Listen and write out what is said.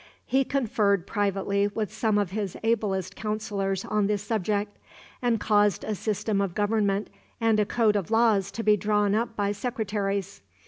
He conferred privately with some of his ablest counselors on this subject, and caused a system of government and a code of laws to be drawn up by secretaries.